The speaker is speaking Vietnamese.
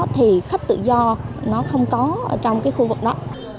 thì khách tự do nó không có ở trong cái khu vực đó